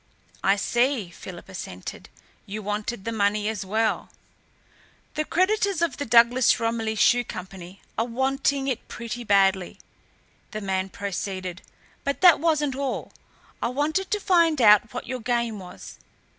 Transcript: "I see," Philip assented. "You wanted the money as well." "The creditors of the Douglas Romilly Shoe Company are wanting it pretty badly," the man proceeded, "but that wasn't all. I wanted to find out what your game was.